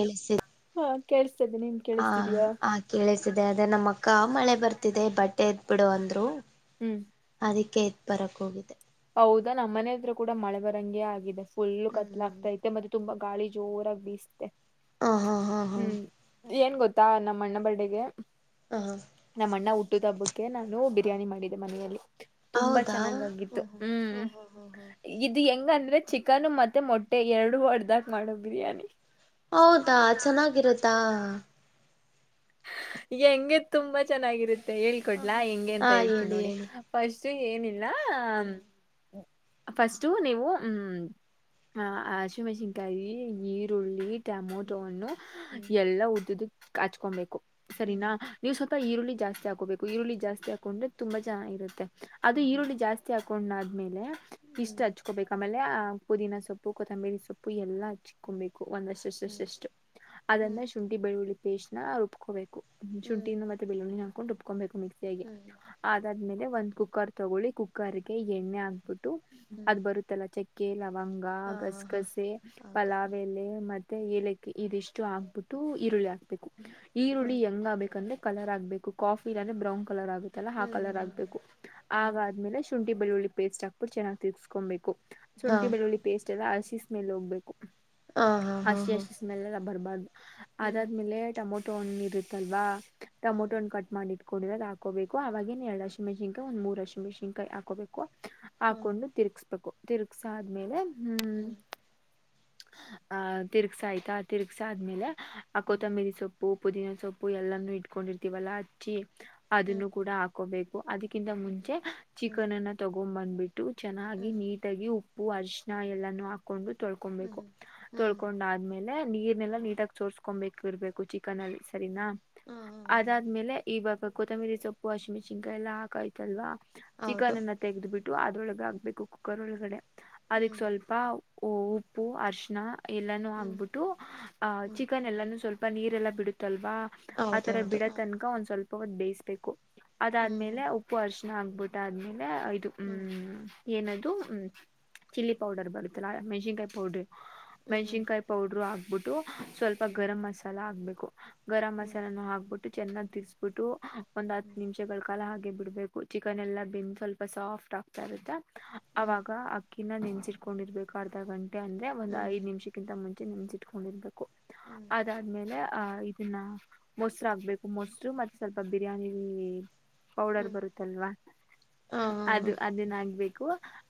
ಏಲ್ಲಿ ಸಿಗ್ತಿ ಹಾ [unintelligible] ಕೇಳಿಸ್ತಾದೆ ನಿನ್ ಹ ಕೇಳಿಸ್ತಿದೀಯಾ ಹ ಕೇಳತಿದೆ ಅದ ನಮ್ಮ ಅಕ್ಕ ಮಳೆ ಬರ್ತಿದೆ ಬಟ್ಟೆ ಎತ್ ಬೀಡು ಅಂದ್ರು ಹ್ಮ್ ಅದಕ್ಕೆ ಎತ್ಕೊ ಬರಕ್ ಹೋಗಿದೆ ಹೌದಾ ನಮ್ಮ್ ಮನೆ ಹತ್ರ ಕೂಡ ಮಳೆ ಬರಂಗೆ ಆಗಿದೆ ಫುಲ್ ಕತ್ಲ ಆಗತೈತೆ ಮತ್ತೆ ತುಂಬಾ ಗಾಳಿ ಜೋರಾಗಿ ಬಿಸ್ತಿದೆ ಹ ಹಾ ಹಾ ಹಾ ಹ್ಮ್ ಏನ್ ಗೊತ್ತಾ ನಮ್ಮ ಅಣ್ಣ ಬರ್ಡಗೆ ಹ ನಮ್ಮ ಅಣ್ಣ ಹುಟ್ಟು ಹಬ್ಬಕ್ಕೆ ನಾನು ಹ ಬಿರಿಯಾನಿ ಮಾಡಿದೆ ಮನೆಯಲ್ಲಿ ತುಂಬಾ ಹೌದಾ ಹ್ಮ ಚೆನ್ನಾಗಾಗಿತ್ತು ಹ್ಮ ಹ್ಮ್ ಹ್ಮ್ ಹ್ಮ್ ಅಂದ್ರೆ ಚಿಕನ್ ಮತ್ತೆ ಮೊಟ್ಟೆ ಎರಡು ಹೊಡೆದಕ್ ಮಾಡೊ ಬಿರಿಯಾನಿ ಹೌದಾ ಚೆನ್ನಾಗಿರುತ್ತಾ ಹೆಂಗೆ ತುಂಬಾ ಚೆನ್ನಾಗಿರುತ್ತೆ ಹ ಹೇಳ್ಕೊಡ್ಲಾ ಹೆಂಗೆ ಅಂತ ಹಾ ಹೇಳ್ತೀನಿ ಹೇಳಿ ನೋಡಿ ಹೇಳಿ ಫಸ್ಟ್ ಏನಿಲ್ಲ ಹ್ಮ್ ಹ ಫಸ್ಟು ನೀವು ಹ್ಮ್ ಹ ಹಸಿಮೆಣಸಿನಕಾಯಿ ಈರುಳ್ಳಿ ಟಮೋಟೋ ಹಣ್ಣು ಹ್ಮ್ ಎಲ್ಲಾ ಉದುದಕ್ಕೆ ಹಚ್ಕೊಬೇಕು ಹ್ಮ್ ಸರಿನಾ ನೀವು ಸ್ವಲ್ಪ ಈರುಳ್ಳಿ ಜಾಸ್ತಿ ಹಾಕೋಬೇಕು ಈರುಳ್ಳಿ ಜಾಸ್ತಿ ಹಾಕೊಂಡ್ರೆ ತುಂಬಾ ಚೆನ್ನಾಗಿ ಇರುತ್ತೆ ಅದು ಹ್ಮ್ ಹ್ಮ್ ಈರುಳ್ಳಿ ಜಾಸ್ತಿ ಹಾಕಿ ಕೊಂಡಾದ್ಮೇಲೆ ಇಷ್ಟ್ ಹಚ್ಕೋಬೇಕ ಆಮೇಲೆ ಪುದೀನಾ ಸೊಪ್ಪು ಕೊತ್ತಂಬೇರಿ ಸೊಪ್ಪು ಎಲ್ಲ ಹಚ್ಕೊಬೇಕು ಹ್ಮ್ ಒಂದಷ್ಟುಸಸಷ್ಟು ಆದ್ಮೇಲೆ ಶುಂಠಿ ಬೆಳ್ಳುಳ್ಳಿ ಪೇಸ್ಟ್ ನ ರುಬ್ಕೋಬೇಕು ಹ್ಮ್ ಶುಂಠಿನ ಮತ್ತೆ ಬಿಳ್ಳುಳ್ಳಿನ ಹಾಕೊಂಡು ರುಬ್ಕೊಬೇಕು ಹ್ಮ್ ಮಿಕ್ಸಿಯಾಗಿ ಹ್ಮ್ ಆದ್ಮೇಲೆ ಆಮೇಲೆ ಒಂದ್ ಕುಕ್ಕರ್ ತಗೊಳ್ಳಿ ಕುಕ್ಕರ್ ಗೆ ಎಣ್ಣೆ ಹಾಕ್ಬಿಟ್ಟು ಹ್ಮ್ ಅದ್ ಬರುತ್ತಲ್ಲ ಚಕ್ಕೆ ಲವಂಗ ಲವಂಗ ಹಾ ಹಾ ಹಾ ಗಸಗಸೆ ಹೌದು ಪಲಾವ್ ಎಲೆ ಮತ್ ತ್ತ ಏಲಕ್ಕಿ ಇದಿಷ್ಟು ಆಕ್ಬಿಟ್ಟು ಈರುಳ್ಳಿ ಹಾಕ್ಬೇಕು ಈರುಳ್ಳಿ ಹ್ಮ್ ಹೆಂಗ ಆಗ್ಬೇಕಂದ್ರೆ ಕಲರ್ ಆಗ್ಬೇಕು ಕಾಫಿ ಇಲ್ಲೆ ಬ್ರೌನ್ ಕಲರ್ ಆಗುತ್ತಲ್ಲಾ ಆ ಹ್ಮ್ ಕಲರ್ ಹ್ಮ್ ಆಗ್ಬೇಕು ಹ್ಮ್ ಹ್ಮ್ ಆದ್ಮೇಲೆ ಶುಂಠಿ ಶುಂಠಿ ಬೆಳ್ಳುಳ್ಳಿ ಪೇಸ್ಟ್ ಹಾಕಿ ಚೆನ್ನಾಗಿ ತಿರ್ಗಿಸ್ಕೊಬೇಕು ಹಾ ಶುಂಠಿ ಬೆಳ್ಳುಳ್ಳಿ ಪೇಸ್ಟ್ ಎಲ್ಲ ಹಸಿ ಸ್ಮೆಲ್ ಹೋಗಬೇಕು ಆ ಹಾ ಹಾ ಹಾ ಬರ್ಬಾರ್ದು ಹ್ಮ್ ಅದಾದ್ಮೇಲೆ ಟಮೋಟೋ ಹಣ್ಣು ಇರುತ್ತಲ್ವಾ ಹ್ಮ್ ಟಮೋಟೋ ಹಣ್ಣು ಕಟ್ ಮಾಡಿ ಇಟ್ಟಿಕೊಂಡು ರುಬ್ಬಿಕೊಂಡಿರೋದು ಹಾಕೋಬೇಕು ಅವಾಗಿ ಎರಡು ಹಸಿಮೆಣಸಿನಕಾಯಿ ಒಂದ್ ಮೂರು ಹಸಿಮೆಣಸಿನಕಾಯಿ ಹಾಕೋಬೇಕು ಹ್ಮ್ ಹಾಕೊಂಡು ತಿರ್ಗ್ಸ್ಬೇಕು ತಿರ್ಗ್ಸ ಆದ್ಮೇಲೆ ಹ್ಮ್ ಆಹ ತಿರ್ಗಸೈತ ಆಯ್ತಾ ಆ ತತಿರುಗಿಸಿ ಆದ್ಮೇಲೆ ಆ ಹ್ಮ್ ಕೊತಂಬಿರಿ ಸೊಪ್ಪು ಸೊಪ್ಪು ಪುದೀನ ಸೊಪ್ಪು ಎಲ್ಲಾನೂ ಇಟ್ಕೊಂಡಿರ್ತೀವಲ್ಲಾ ಹಚ್ಚಿ ಹ್ಮ್ ಅದನ್ನು ಕೂಡ ಹಾಕೋಬೇಕು ಅದಕ್ಕಿಂತ ಹ್ಮ್ ಹ್ಮ್ ಮುಂಚೆ ಹ್ಮ್ ಚಿಕನ್ನನ್ನ ತಗೊಂಡ್ ಬಂದ್ಬಿಟ್ಟು ಚೆನ್ನಾಗಿ ಹ್ಮ್ ಹ್ಮ್ ನೀಟಾಗಿ ವಾಶ್ ಉಪ್ಪು ಅರಿಶಿನ ಎಲ್ಲಾನು ಹಾಕೊಂಡು ಹ್ಮ್ ಕೊು ತೊಳ್ಕೊಂಡಾದ್ಮೇಲೆ ನೀರ್ನೆಲ್ಲಾ ನೀಟಾಗಿ ಚೋರ್ಸ್ ಕಕೊಂಬ ಇರ್ಬೇಕು ಚಿಕನ್ ಅಲ್ಲಿ ಸರಿನಾ ಹ್ಮ್ ಹ್ಮ್ ಹ್ಮ್ ಅದಾದ್ಮೇಲೆ ಇವಾಗ ಕೊತ್ತಂಬಿರಿ ಸೊಪ್ಪು ವಾಷಿ ಮೆಣಸಿನ್ಕಾಯ ಎಲ್ಲ ಹಾಕಾಯ್ತಲ್ವ ಹೌದು ಚಿಕನ್ ಎನ್ನ ತೆಗೆ್ದ್ ಬಿಿಟ್ಟು ಅದೊಳಗ ಆಗ್ಬೇಕು ಕುಕ್ಕರ್ ಒಳಗಡೆ ಅದಿಕ್ ಹ್ಮ್ ಸ್ವಲ್ಪ ಉ- ಉಪ್ಪು ಅರ್ಶನಾ ಎಲ್ಲಾನೂ ಹ್ಮ್ ಹಾಕ್ಬಿಟ್ಟು ಆಹ್ ಹ್ಮ್ ಚಿಕನ್ ಎಲ್ಲಾನು ಸ್ವಲ್ಪ ನೀರೆಲ್ಲಾ ಬಿಡುತ್ತವಾ ಹೌದು ಆತರ ಹೌದು ಹ್ಮ್ ಬಿಡತನಕ ಒಂದ್ ಸ್ವಲ್ಪ ಹೊತ್ತು ಬೇಯಿಸ್ಬೇಕು ಹ್ಮ್ ಅದಾದ್ಮೇಲೆ ಉಪ್ಪು ಅರಿಶಿನ ಆಗ್ಬಿಟ್ಟ ಆದ್ಮೇಲೆ ಇದು ಹ್ಮ್ ಏನದು ಹ್ಮ್ ಚಿಲ್ಲಿ ಪೌಡರ್ ಬರುತ್ತಲ್ಲ ಮೆಣ್ಸಿನ್ಕಾಯಿ ಪೌಡ್ರ ಹ್ಮ್ ಹ್ಮ್ ಹ್ಮ್ ಮೆಣಸಿನ್ಕಾಯಿ ಪೌಡರು ಆಕ್ಬಿಟ್ಟು ಸ್ವಲ್ಪ ಹ್ಮ್ ಗರಂ ಮಸಾಲ ಹಕ್ಬೇಕು ಗರಂ ಮಸಾಲಾನ ಹಾಕ್ಬಿಟ್ಟು ಚೆನ್ನಾಗ್ ತಿರುಗಿಸಿಬಿಟ್ಟು ಒಂದ್ ಹತ್ತು ನಿಮಿಷಗಳ ಕಾಲ ಹಾಕ ಬಿಡ್ಬೇಕು ಚಿಕನ್ ಎಲ್ಲ ಬೆಂದು ಸ್ವಲ್ಪ ಸಾಫ್ಟ್ ಆಗ್ತಾ ಇರುತ್ತೆ ಹ್ಮ್ ಅವಾಗ ಅಕ್ಕಿ ಅಕ್ಕಿನ ನೆನ್ಸಿಟ್ಕೊಂಡಿರ್ಬೇಕು ಅರ್ಧ ಗಂಟೆ ಅಂದ್ರೆ ಒಂದು ಹ್ಮ್ ಹ್ಮ್ ನಿಮಿಷಕ್ಕಿಂತ ಮುಂಚೆನ್ಸಿಟ್ಕೊಂಡಿರ್ಬೇಕು ಅದಾದ್ಮೇಲೆ ಅಹ ಇದನ್ನ ಮೊಸರು ಹಾಕಬೇಕು ಮೊಸರು ಮತ್ತೆ ಸ್ವಲ್ಪ ಬಿರಿಯಾನಿ ಪೌಡರ್ ಹ್ಮ್ ಬರುತ್ತಲ್ವಾ ಹಾ ಹಾ ಹಾ ಅದು ಅದೇನ್ ಆಗ್ಬೇಕು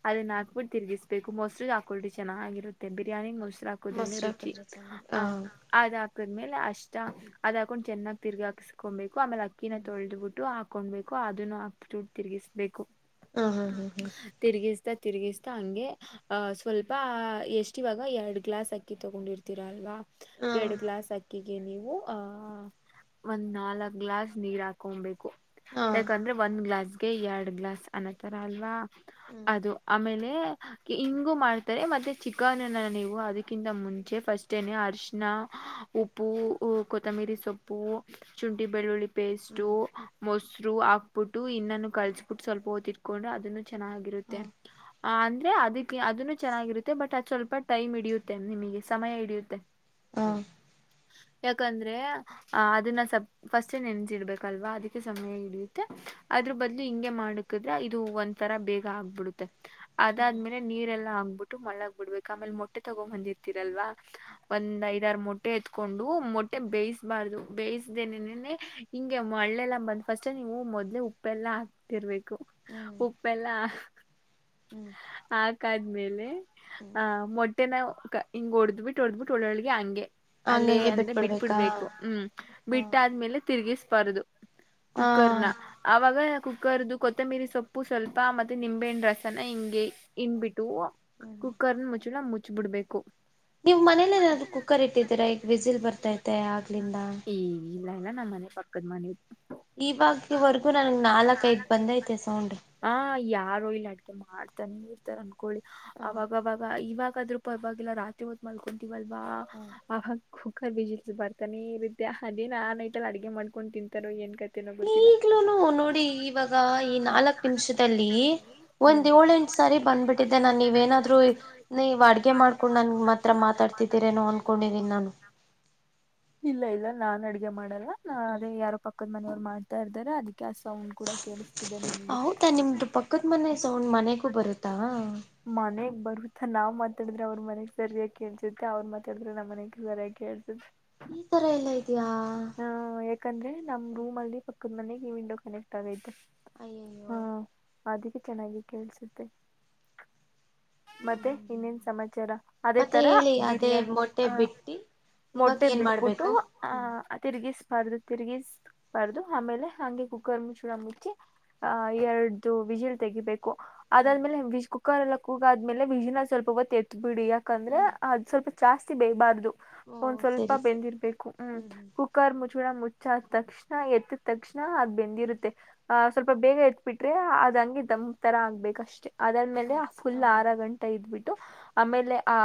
ಅದನ್ನ ಹಾಕ್ಬಿಟ್ಟು ತಿರುಗಿಸ್ಬೇಕು ಮೋಸ್ಟ್ ಹಾಕೊಲ್್ರಿ ಚೆನ್ನಾಗಿರುತ್ತೆ ಬಿರಿಯಾನಿ ಮೋಸ್ಟ್ ಹಾಕ ಮೊಸರು ರುಚಿ ಹಾಕಿದ್ರೆ ಚೆನ್ನಾಗಿ ಹಾ ಹ್ಮೇಲೆ ಅಷ್ಟ ಅದ ಹಾಕೊಂಡು ಚೆನ್ನಾಗ್ ತಿರ್ಗಿ ಹಾಕ್ಸ್ಕೊಬೇಕು ಆಮೇಲೆ ಅಕ್ಕಿನ ತೊಳೆ್ಬಿಟ್ಟು ಹಾ ಬೇಕು ಅದನ್ನು ಹ ತಿರ್ಗಿಸಬೇಕುಗ ಹಾ ಹಾ ಹಾ ತಿರುಗಿಸ್ತಾ ಹಂಗೆ ಅಹ ಸ್ವಲ್ಪ ಾ ಎಷ್ಟ ಇವಾಗ ಎರಡ್ ಗ್ಲಾಸ್ ಅಕ್ಕಿ ತಗೊಂಡಿರ್ತೀರಾ ಅಲ್ವಾ ಹಾ ಎರಡ್ ಗ್ಲಾಸ್ ಅಕ್ಕಿ ಿಗೆ ನೀವು ಆಹ ಒಂದ್ ನಾಲ್ಕ್ ಗ್ಲಾಸ್ ನೀರ್ ಹಾಕೊಬೇಕು ಹಾ ಹಾ ಯಾಕಂದ್ರೆ ಒಂದ್ ಗ್ಲಾಸ್ಗೆ ಎರಡ್ ಗ್ಲಾಸ್ ಅನತರ ಅಲ್ವಾ ಹ್ಮ್ ಅದು ಆಮೇಲೆ ಹಿಂಗು ಮಾಡ್ತ ಮತ್ತೆ ಚಿಕನ್ ನೀವು ಅದಕ್ಕಿಂತ ಮುಂಚೆ ಫಸ್ಟೇನೆ ಅರ್ಶಿನ ಉಪ್ಪು ಕೊತ್ತಂಬಿರಿ ಸೊಪ್ಪು ಶುಂಠಿ ಬೆಳ್ಳುಳ್ಳಿ ಪೇಸ್ಟು ಹ್ಮ್ ಮೊಸರು ಹಾಕ್ಬಿಟ್ಟು ಇನ್ನನ್ನು ಕಲ್ಸಬಿಟ್ಟು ಸ್ವಲ್ಪ ಓದ ಇಟ್ಕೊಂಡು ಅದನ್ನು ಹಾ ಚೆನ್ನಾಗಿರುತ್ತೆ ಅ ಅಂದ್ರೆ ಅದಕ್ಕೆ ಅದನ್ನು ಚೆನ್ನಾಗಿರುತ್ತೆ ಬಟ್ ಅದು್ ಸ್ವಲ್ಪ ಟೈಮ್ ಹಡಿಯುತ್ತೆ ನಿಮಗೆ ಸಮಯ ಹಿಡಿಯುತ್ತೆ ಹಾ ಯಾಕಂದ್ರೆ ಆ ಅದನ್ನ ಸ ಫಸ್ಟ್ೇ ನೆನ್ಸಿ ಇಡ್ಬೇಕಲ್ವಾ ಅದಕ್ಕೆ ಸಮಯ ಹಿಡಿಯುತ್ತೆ ಅದ್ರ ಬದ್ಲು ಹಿಂಗೆ ಮಾಡಕಿದ್ರೆ ಇದು ಒಂದ್ ತರಾ ಬೇಗ ಆಗ್ಬಿಡುತ್ತೆ ಹ್ಮ್ ಅದಾದ್ಮೇಲೆ ನೀರೆಲ್ಲಾ ಆ ಬ ಬಿಟ್ಟು ಮಳ್ಳಗ ಬಿಡ್ಬೇಕು ಆಮೇಲೆ ಮೊಟ್ಟೆ ತಗೊಂಡ್ ಬಂದಿರ್ತಿರಲ್ವಾ ಒಂದ್ ಐದಾರು ಮೊಟ್ಟೆ ಎತ್ಕೊಂಡು ವು ಮೊಟ್ಟೆ ಬೇಯಿಸಬಾರ್ದು ಬೇಯಿಸ್ದೇನೆನೆ ಹಿಂಗೆ ಮಳ್ಳೆಲ್ಲ ಬಂದ ಫಸ್ಟ್ ನೀವು ಮೊದ್ಲೆೇ ಉಪ್ಪೆಲ್ಲಾ ಹಾಕ್ತಿರ್ಬೇಕು ಹ್ಮ್ ಉಪ್ಪೆಲ್ಲ ಹ್ಮ್ ಹಾಕಾದ್ಮೇಲೆ ಹ್ಮ್ ಆ ಮೊಟ್ಟೆನ ಹಿಂಗ್ ಹೊಡ್ದ್ ಬಿಟ್ಟು ಹೊಡ್ದ್ಬಿಟ್ಟು ಒಳ್ಳೊಳ್ಗೆ ಹಂಗೆ ಅಲ್ಲೇ ಹಂಗಂಗೆ ಅಂದ್ರೆ ಬಿಟ್ಬಿಡ್ಬೇಕಾ ಬಿಟ್ಬಿಡ್ಬೇಕು ಹ್ಮ್ ಹಾ ಬಿಟ್ಟಾದ್ಮೇಲೆ ತಿರ್ಗಿಸ್ಬಾರದು ಹಾ ಕುಕ್ಕರ್ ನ ಅವಾಗ ಕುಕ್ಕರ್ದು ಕೊತ್ತಂಬಿರಿ ಸೊಪ್ಪು ಸ್ವಲ್ಪ ಮತ್ತೆ ನಿಂಬೆಣ್ಣ ರಸನ ಹಿಂಗೆ ಇಂಡಬಿಟ್ಟು ಹ್ಮ್ ಕುಕ್ಕರ್ ಮುಚ್ಚಳ ಮುಚ್ ಬಿಿಡ್ಬೇಕು ನೀವ್ ಮನೇಲಿ ಏನಾದ್ರು ಕುಕ್ಕರ್ ಇಟ್ಟಿದ್ದೀರಾ ಈಗ ವಿಸಿಲ್ ಬರ್ತೈತೆ ಆಗ್ಲಿಂದ ನ ಮನೆ ಪಕ್ಕದ ಮನೆ ಇವಾಗವರೆಗೂ ನನ್ಗ್ ನಾಲ್ಕ ಐದ ಬಂದೈತೆ ಸೌಂಡ್ರಿ ಹಾ ಯಾರು ಇಲ್ಲಿ ಅಡ್ಗೆ ಮಾಡ್ತ ತ್ಣಿ ಇರ್ತಾರ ಅನ್ಕೊಳ್ಳಿ ಹಾ ಅವಾಗವಾಗ ಇವಾಗ್ರೂ ಅವವಾಗಿಲ್ಲ ರಾತ್ರಿ ಹದ್ ಮಲ್ಕೊಂಡ ಬಬ ಹಾ ಆ ಖರ್ಬಜಲ್ಸಸ್ ಬರ್ತಾನೆ ಇ ರಿದ್ದೆ ಅದೇ ನಾನನ್ ಐತಲ್ಲ ಅಗೆ ಮಾಡ್ಕೊಂಡು ತಿಂತಾರೋ ಏನ್ ಕತೆ ಅನೋ ಗೊತ್ತಿಲ್ಲ ಈಲೂನು ನೋಡಿ ಇವಾಗ ಈ ನಾಲ್ಕ್ ನಿಮಿಷದಲ್ಲಿ ಹ್ಮ್ ಒಂದ್ ಏಳೆಂಟು ಸರಿ ಬಂದ್ಬಿಟ್ಟಿದ್ದೆ ನನ್ ನೀವೇನಾದ್ರು ನೀವ್ ಅಡ್ಗೆ ಮಾಡ್ಕೊಂಡು ನನ್ ಮಾತ್ರ ಮಾತಾಡ್ತಿದ್ದೀರೇನೋ ಅನ್ಕೊಂಡಿದೀನ್ಿ ನಾನು ಇಲ್ಲ ಇಲ್ಲ ನಾನ್ ಅಡ್ಗೆ ಮಾಡಲ್ಲ ನಾ ಅದೇ ಯಾರೋ ಪಕ್ಕದ ಮನೆಯವ್ರು ಮಾಡ್ತಾ ಇರ್್ದಾರೆ ಅದಿ ಸೌಂಡ ಕೂಡ ಕೇಳಿಸ್ತಿದೆ ನಿನ್ಗೆ ಹೌದಾ ನಿಮ್ದು ಪಕ್ಕದ ಮನೆ ಸೌಂಡ್ ಮನೆಗೂ ಬರುತ್ತಾ ಮನೆ ಬರುತ್ತಾ ನಾವ್ ಮಾತಾದ್ರೆ ಅವ್ರ ಮನೆಗ್ ಸರಿಯಗ್ ಕೇಳ್ಸುತ್ತೆ ಅವ್ರ್ ಮಾತಾಡಿದ್ರೆ ನಮ್ಮ ಮನೆಗೆ ಸರಿಯಾಗಿ ಕೇಳ್ಸುತ್ತೆ ಈ ತರ ಎಲ್ಲ ಇದೆಯಾ ಹಾ ಯಾಕಂದ್ರೆ ನಮ್ ರೂಮ್ ಅಲ್ಲಿ ಮನೆಗೆ ವಿಂಡೋ ಕನೆಕ್ಟ್ ಆಗೈತೆ ಅಯ್ಯಯ್ಯೋ ಹಾ ಅದಕ್ಕೆ ಚೆನ್ನಾಗಿ ಕೇಳ್ಸುತ್ತೆ ಹ್ಮ್ ಮತ್ತೆ ಹ್ಮ್ ಇನ್ನಿನ ಹ್ಮ್ ಸಮಾಚಾರ ಅದೇ ಮತ್ತೆ ತರ ಹೇಳಿ ಅದೇ ಬಿರಿಯಾನಿ ಮೊಟ್ಟೆ ಹ ಬಿಟ್ಟಿ ಇವಾಗ ಮೊಟ್ಟೆ ಏನ್ ಬಿಟ್ಬಿಟ್ಟು ಮಾಡ್ಬೇಕು ಹ್ಮ್ ಆಹ ತಿರುಗಿಸ ಬಾರದು ತಿರುಗಿಸಬಾರ್ದು ಆಮೇಲೆ ಹಂಗೆ ಕುಕ್ಕರ್ ಮುಚ್ಚೂಳ ಮುಚ್ಚಿ ಆ ಎರ್ದ ವಿಜಿಲ್ ತೆಗಿಬೇಕು ಅದಾದ್ಮೇಲೆ ಕುಕ್ಕರ್ ಎಲ್ಲಾದ್ಮೇಲೆ ವಿಜಿನ ಸ್ವಲ್ಪ ಹೊತ್ ಏತ್ ಬಿಡಿ ಯಾಕಂದ್ರೆ ಹ್ಮ್ ಅದು ಸ್ವಲ್ಪ ಜಾಸ್ತಿ ಬೇಬಾರ್ದು ಓ ಒಂದ್ ಸ್ವಲ್ಪ ಸರಿ ಸರಿ ಬೆಂದಿರ್ಬೇಕು ಹ್ಮ್ ಕುಕ್ಕರ್ ಮುಚ್ಚುಳ ಮುಚ್ಚಾದ ತಕ್ಷಣ ಎತ್ ತಕ್ಷಣ ಹಾ ಅದ್ ಬೆಂದ್ ಹ್ಮ್ ಹ್ಮ್ ಇರುತ್ತೆ ಆ ಸ್ವಲ್ಪ ಬೇಗ ಎತ್ ಬಿಟ್ರೆ ಅದ್ಂಗೆ ದಮ್ ತರ ಆಗ್ಬೇಕ್ ಅಷ್ಟೇ ಅದ್ ಮೇಲೆ ಅಷ್ಟೆ ಫುಲ್ ಹ ಆರ ಗಂಟೆ ಇದ್ಬಿಟ್ಟು ಹ್ಮ್ ಆಮೇಲೆ ಆ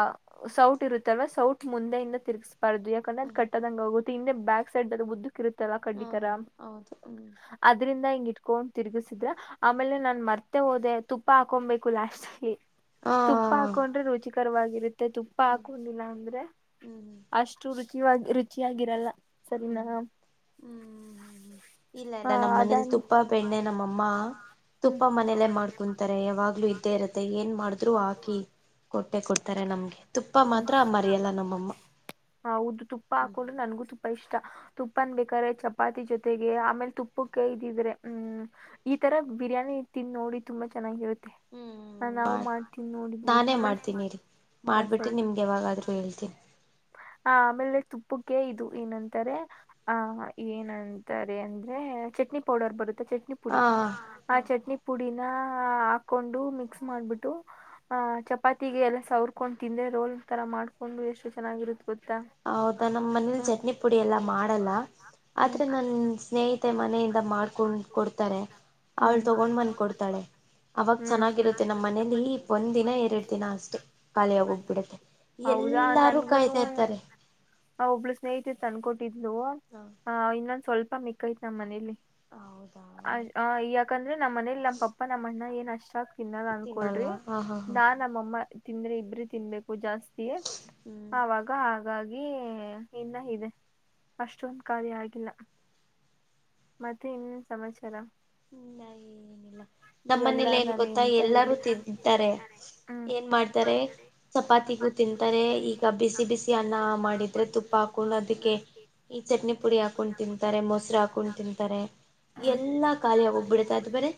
ಸೌಟ್ ಇರುತ್ತಲ್ವ ಸೌಟ್ ಮುಂದೆಯಿಂದ ತಿರುಗ್ಸ್ಬಾರ್ದು ಯಾಕಂದ್ರೆ ಹ್ಮ್ ಕಟ್ಟದಂಗ ಆಗುತ್ ಹಿಂದೆ ಬ್ಯಾಕ್ ಸೈಡ್ ಅದು ಉದ್ದುಕ್ ಇರುತ್ತಲ್ಲ ಹಾ ಕಡ್ಡಿತರ ಹೌದು ಹ್ಮ್ ಅದ್ರಿಂದ ಇಟ್ಕೊಂಡ್ ತಿರುಗಸಿದ್ರ ಆಮೇಲೆ ನಾನ್ ಮರ್ತೆ ಹೋದೆ ತುಪ್ಪ ಹಾಕೊಬೇಕು ಲಾಸ್ಟ್ ಅಲ್ಲಿ ಹಾ ತುಪ್ಪ ಹಾಕೊಂಡ್ರೆ ರುಚಿಕರವಾಗಿರುತ್ ಮತ್ತೆ ತುಪ್ಪ ಹ್ಮ್ ಹಾಕೊಂಡಿಲ್ಲ ಅಂದ್ರೆ ಹ್ಮ್ ಅಷ್ಟು ರುಚಿವ ರುಚಿಯಗಿರಲ್ಲ ಸರಿನಾ ಹ್ಮ್ ಹ್ಮ್ ಹ್ಮ್ ಇಲ್ಲ ಇಲ್ಲಾ ನಮ್ ಮನೆಲ್ ಅದಾದ ತುಪ್ಪ ಬೆಣ್ಣೆ ನಮ್ಮಮ್ಮ ತುಪ್ಪ ಹ್ಮ್ ಮನೇಲ್ಲೇ ಮಾಡ್ಕೊಂತಾರೆ ಯಾವಾಗ್ಲೂ ಇದ್ದೇ ಇರತ್ತೆ ಏನ್ ಮಾಡಿದ್ರು ಹಾಕಿ ಕೊಟ್ಟ ಕೊಟ್ಟೆ ಕೊಡ್ತಾರೆ ನಮ್ಗೆ ತುಪ್ಪ ಹ್ಮ್ ಮಾತ್ರ ಮರಿಯಲ್ಲ ನಮ್ಮಮ್ಮ ಹೌದು ತುಪ್ಪ ಹ್ಮ್ ಹಾಕೊಂಡ್ರು ನನ್ಗೂ ತುಪ್ಪ ಇಷ್ಟ ತುಪ್ಪನ್ ಬೇಕಾದ್ರೆ ಚಪಾತಿ ಜೊತೆಗೆ ಆಮೇಲ್ ತುಪ್ಪಕ್ಕೆ ಇದಿದ್ರೆ ಹ್ಮ್ ಈ ತರ ಬಿರಿಯಾನಿ ತಿನ್ ನೋಡಿ ತುಂಬಾ ಚೆನ್ನಾಗಿರುತ್ತೆ ಹ್ಮ್ ನಾವು ಮಾಡ್ ಮಾಡಿ ತಿನ್ ನೋಡಿದಿವಿ ಮಾಡಿಬಿಟ್ಟಿ ನಿಮ್ಗೆ ಯಾವಾಗಾದರೂ ಹೇಳ್ತೀನಿ ಹ ಆಮೇಲೆ ತುಪ್ಪಕ್ಕೆ ಇದು ಏನಂತಾರೆ ಆ ಏನಂತಾರೆ ಅಂದ್ರೆ ಚಟ್ನಿ ಪೌಡರ್ ಬರುತ್ತೆ ಚಟ್ನಿ ಪುಡಿ ಹಾಂ ಆ ಹಾಂ ಚಟ್ನಿ ಪುಡಿನ ಹಾಕೊಂಡು ಮಿಕ್ಸ್ ಮಾಡ್ ಬಿಟ್ಟು ಚಾಪಾತಿಗೆ ಸಾವರ್ಕೊಂಡು ತಿಂದ್ರೆ ರೋಲ್ತರ ಮಾಡ್ ಎಷ್ಟು ಚೆನ್ನಾಗಿರುತ್ ಗೊತ್ತಾ ಹೌದಾ ನಮ್ಮ್ ಮನೇಲಿ ಹ್ಮ್ ಚಟ್ನಿ ಪುಡಿ ಎಲ್ಲಾ ಮಾಡಲ್ಲ ಆದ್ರೆ ನನ್ ಸ್ನೇಹಿತೆ ಮನೆಯಿಂದ ಮಾಡ್ಕೊಂಡ ಕೊಡ್ತಾರೆ ಅವಳ ಹ್ಮ್ ಹ್ಮ್ ತಗೊಂಡ್ ಬಂದ್ ಕೊಡ್ತಾಳೆ ಅವಾಗ ಹ್ಮ್ ಚೆನ್ನಾಗಿರುತ್ತೆ ನಮ್ ಮನೇಲಿ ಒಂದ್ ದಿನ ಎರಡ್ ದಿನ ಅಷ್ಟೆ ಖಾಲಿಯಾಗೊಗ್ ಬಿಡುತೆ ಹೌದಾ ಎಲ್ಲಾರು ಕಾಯ್ತಾ ನನ್ಗುನು ಇರ್ತಾರೆ ಆ ಒಬ್ಳು ಸ್ನೇಹಿತೆ ತಂದಕೊಟ್ಟಿದ್ಲು ಹಾಂ ಆ ಇನ್ನೊಂದ್ ಸ್ವಲ್ಪ ಮಿಕಾಯಿತೇ ನಮ್ ಮನೇಲಿ ಹೌದಾ ಅ ಯಾಕಂದ್ರೆ ನಮ್ ಮನೇಲಿ ನಮ್ ಪಪ್ಪ ನಮ್ಮ ಅಣ್ಣ ಏನ್ ಅಷ್ಟ ಹಾಕ್ ತಿನ್ನಲ್ಲ ತಿನ್ನಲ್ಲ ಅನ್ಕೊಳ್ರಿ ಹಾಂ ಹಾಂ ಹಾಂ ನಾನ್ ನಮ್ಮಮ್ಮ ತಿಂದ್ರೆ ಇಬ್ರೆ ತಿನ್ಬೇಕು ಜಾಸ್ತಿ ಹ್ಮ್ ಆವಾಗ ಹಾಗಾಗಿ ಇನ್ನ ಇದೆ ಅಷ್ಟೊಂದ ಕಾಲಿ ಆಗಿಲ್ಲ ಮತ್ತೆ ಇನ್ ಸಮಾಚಾರ ಇನ್ನ ಏನಿಲ್ಲ ನಮ್ ಎಲ್ಲಾ ಮನೇಲಿ ಏನ್ ನಾನು ಗೊತ್ತಾ ಎಂತ ಎಲ್ಲಾರೂ ಇಲ್ಲಿ ತಿಂತಾರೆ ಹ್ಮ್ ಏನ್ ಮಾಡ್ತಾರೆ ಚಪಾತಿಗೂ ತಿಂತಾರೆ ಈಗ ಬಿಸಿ ಬಿಸಿ ಅನ್ನ ಮಾಡಿದ್ರೆ ತುಪ್ಪ ಹಾಕೊಂಡು ಅದಕ್ಕೆ ಈ ಚಟ್ನಿ ಪುಡಿ ಹಾಕೊಂಡು ತಿಂತಾರೆ ಮೊಸರ್ ಹಾಕೊಂಡ್ ತಿಂತಾರೆ ಹ್ಮ್ ಯಲ್ಲ ಖಾಲಿಯಗ್ ಹೋಗ್ಬಿಡುತೆ ಆದ್ ಬೇರೆ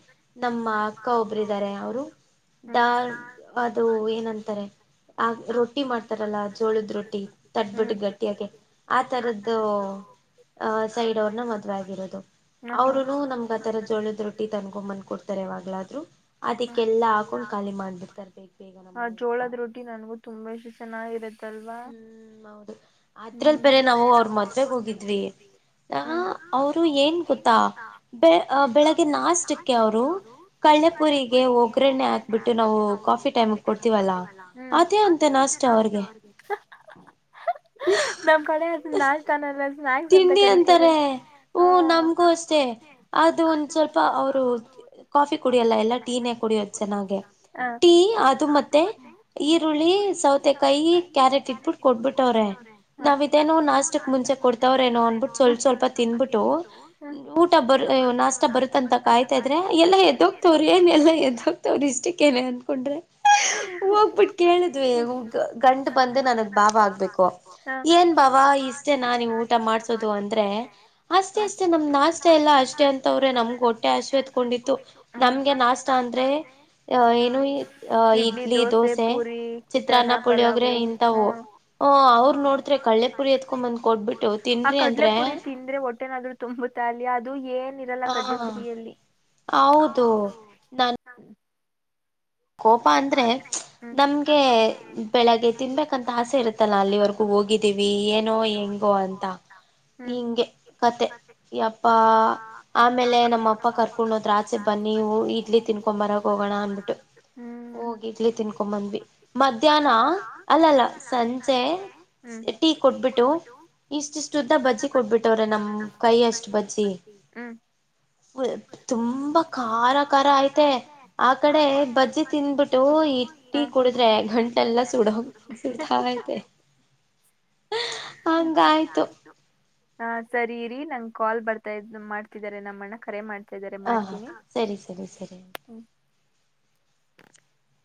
ನಮ್ಮ ಅಕ್ಕ ಒಬ್ಬರು ಇದಾರೆ ಅವರು ಹ್ಮ್ ದಾರ್ ಅದು ಏನಂತಾರೆ ಆ ರೊಟ್ಟಿ ಮಾಡ್ತಾರಲ್ಲ ಜೋಳದ್ ಗಟ್ಟಿ ತಟ್ಬಿಟ್ಟು ಹ್ಮ್ ಗಟ್ಟಿಯಕಗೆ ಆತರದ್ದು ಅಹ ಸೈಡ್ ಅವ್ರನ್ನ ಮದ್ವೆ ಆಗಿರೋದು ಹ ಹಾ ಅವರುನು ನಮ್ಗ ತರ ಜೋಳದ ರೊಟ್ಟಿ ತನ್ಕೊಂಡೊಂಬಂದ ಕೊಡ್ತಾರೆ ಯವಾಗ್ಲಾದ್ರು ಹ ಅದಕ್ಕೆಲ್ಲ ಹಾಕೊಂಡು ಖಾಲಿ ಮಾಡಬಿಡ್ತಾರೆ ಬೇಗ್ ಬೇಗ್ ಈಗ ನಮ್ ಆ ಮನೇಲಿ ಜೋಳದ ರೊಟ್ಟಿ ನನ್ಗೂ ತುಂಬಾ ಇಷ್ಟ ಎಷ್ಟು ಚೆನ್ನಾಗಿರುತ್ತಲ್ವಾ ಹ್ಮ್ ಹೌದು ಅದ್ರಲ್ ಬೇರೆ ನಾವು ಅವ್ರ ಮದ್ವೆಗ್ ಹೋಗಿದ್ವಿ ಆ ಹ ಹ ಅವರು ಏನ್ ಗೂತ್ತಾ ಬೆ ಬೆಳಗ್ಗೆ [unintelligible] ಇಟ್ಟಿ ಅವರು ಮಜೆಪುರಿಗೆ ಒಗ್ಗರಣೆ ಹಾಕ್ಬಿಟ್ಟು ನಾವು ಕಾಫಿ ಟೈಮ ಕೊಡ್ತೀವಲ್ಲಾ ಹ್ಮ್ ಅದೇ ಅಂತ ನಾಷ್ಟ ಅವ್ರಿಗೆ ನಮ್ ಕಡೆ ಅದು ನಾಷ್ಟನೆ ಅಲ್ಲ ಸ್ಕ್ಸ್ ಅಂತ ತಿಂಡಿ ಕರತಾರೆ ಅಂತಾರೆ ಹ್ಮ ನಮಗೂ ಅಷ್ಟೇ ಅದು ಒಂದ್ ಸ್ವಲ್ಪ ಅವರು ಕಾಫಿ ಕುಡಿಯಲ್ಲ ಪು ಎಲ್ಲ ಟೀನೇ ಎೀ ಕುಡಿಯೋದು ಪುಡಿೆ ಚೆನ್ನಾಗೆ ಮ ಸೌ ಕೈ ಕ ಕಾಲ ಬಿಟ್ಬಿಟ್ಟ ಕೊಟ್ಬಿಟ್ಟವ್ರೆ ನಾವ ಇದೇನು ನಾಸ್ಕ್ ಮುಂಚ ಇವ್ರೇನೋ ಅಂದ್ಬಿಟ್ಟು ಸ್ವಲ್ಪ ಸ್ವಲ್ಪ ತಿನ್ಬಿಟ್ಟು ಊಟ ಬ ನಾಷ್ಟ ಬರುತ್ತ ಅಂತ ಕಾಯ್ತಾ ಇದ್ರೆ ಎಲ್ಲ ಎದೋಗ್ತವ್್ರ ಏನೆಲ್ಲ ಎದೋಗ್ತವ್ ಇಷ್ಟಿಕ್ ಏನ ಅ ಹ್ಮು ಕೇಳಿದ್ವಿ ಗಂಟ್ ಕ ಮಂದಿ ನನಗ್ ಲಭ ಆಗ್ಬೇಕು ಬಬ ಈಸ್ಟನ್ ನಾ ನೀವು ಊಟ ಮಾಡ್ಸೋದು ಅಂದ್ರೆ ಅಷ್ಟೇ ಅಷ್ಟೇ ನಮ್ ನಾಷ್ಟ ಎಲ್ಲ ಅಷ್ಟೇ ಅಂತವ್ರೆ ನಮ್ಗೆ ಹೊಟ್ಟೆ ಶತ್ಕೊಂಡಿ ನಮಗೆ ನಾಷ್ಟ ಅಂದ್ರೆ ಏ ಇಡ್ಲಿ ದೋಸೆ ಚಿತ್ರಾನ್ನ ಪುಳಿಯೋಗ್ರೆ ಇಂತವು ಹ ಅವ್ರು ನೋಡ್ರ ಕೆೇುರಿ ಎತ್ಕೊಂಬಂದ್ ಕೊಡ್ ಆ ಕಡ್ಲೆ ಪುರಿ ತಿಂದ್ರೆ ಹೊಟ್ಟೆನಾದ್ರು ತುಂಬುತ್ತ ಅಲಿ ಅದು ಲ್ಲ ಹ ಕಡ್ಪುರಿಯಲ್ಲಿ ಹೌದು ನಾನ್ ಕೋಪ ಅಂದ್ರೆ ನಮ್ಗೆ ಬೆಳಗ್ಗೆ ತಿನ್ಬೇಕಂತ ಆಸೆ ಇರುತ್ತಲ್ಲಾ ಅಲ್ಲಿವರೆಗೂ ಹೋಗಿದ್ದೀವಿ ಏನೋ ಹೆಂಗೋ ಅಂತ ಹ್ಮ್ ಹಿಂಗೆ ಕತೆ ಅಪ್ಪ ಆಮೇಲೆ ನಮ್ಮ ಅಪ್ಪ ಕರ್ಕೊಂಡೋದ್ರ ಆಚೆ ಬನ್ನಿ ಇಡ್ಲಿ ತಿನ್ಕೊಂಬರಗ ಹೋಗಣ ನಾ ಅನ್ಬಿಟ್ಟು ಹ್ಮ್ ಹೋಗಿಡ್ಲಿ ತಿನ್ಕೊ ಬಂದ್ವಿ ಮಧ್ಯಾಹ್ನ ಅಲ್ಲಲ್ಲ ಸಂಜೆ ಹ್ಮ್ ಟೀ ಕೊಟ್ಬಿಟ್ಟು ಇಷ್ಟುಷ್ಟು ಉುದ್ದ ಬಜ್ಜಿ ಕೊಡ್ಬಿಟ್ಟವ್ರೆ ನಮ್ಮ್ ಕೈ ಅಷ್ಟು ಬಜ್ಜಿ ಹ್ಮ್ ತುಂಬಾ ಖಾರ ಖಾರ ಐ್ತೆ ಆ ಕಡೆ ಬರ್ದಿದ್ದ ತಿಿಂದ್ಬಿಟ್ಟು ಇಟ್ಟಿ ಕುಡಿದ್ರೆ ಗಂಟೆಲ್ಲ ಸುಡೋಗ ಸುಡತಾ ಐತೆ ಹ ಹಂಗಾಯ್ತು ಆಯ್ತು ಹಾ ಸರಿ ಇರಿ ನಂಗ್ ಕಾಲ್ ಬರ್ತಾ ಇದ ಮಾಡ್ತಿದ್ದಾರೆ ನಮ್ಮಣ್ಣ ಕರೆ ಮಾಡ್ತ ಾರೆ ಹ ಮಾಡ್ತೀನಿ ಸರಿ ಸರಿ ಸರಿ ಹ್ಮ್ [inaudible]